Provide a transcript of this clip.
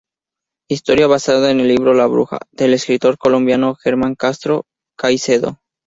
Historia basada en el libro "La bruja", del escritor colombiano Germán Castro Caycedo.